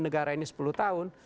negara ini sepuluh tahun